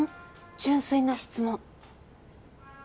純粋な質問。